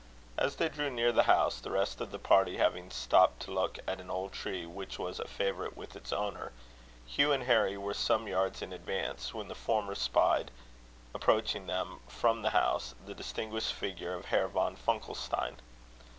As they drew near the house, the rest of the party having stopped to look at an old tree which was a favourite with its owner, Hugh and Harry were some yards in advance; when the former spied, approaching them from the house, the distinguished figure of Herr von Funkelstein.